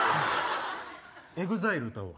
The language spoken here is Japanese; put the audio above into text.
ＥＸＩＬＥ歌うわ。